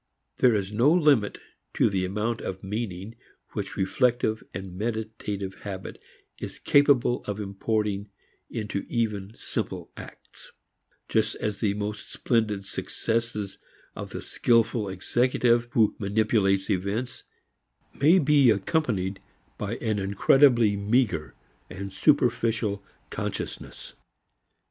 There is no limit to the amount of meaning which reflective and meditative habit is capable of importing into even simple acts, just as the most splendid successes of the skilful executive who manipulates events may be accompanied by an incredibly meager and superficial consciousness.